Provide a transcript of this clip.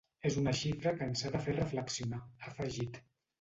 Es una xifra que ens ha de fer reflexionar, ha afegit.